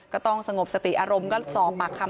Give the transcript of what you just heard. ก็ต้องสงบสติอารมณ์ก็สอบปากคำ